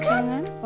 ya udah lah ya